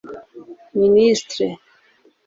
Ministre